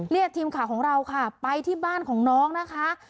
ทีมข่าวของเราค่ะไปที่บ้านของน้องนะคะ